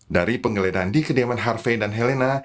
dari penggeledahan di kediaman harvey dan helena